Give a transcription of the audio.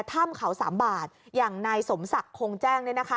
ถ้ำเขาสามบาทอย่างนายสมศักดิ์คงแจ้งเนี่ยนะคะ